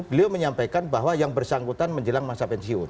beliau menyampaikan bahwa yang bersangkutan menjelang masa pensiun